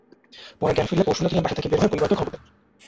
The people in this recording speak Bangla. পরে জ্ঞান ফিরলে কৌশলে তিনি বাসা থেকে বের হয়ে পরিবারকে খবর দেন।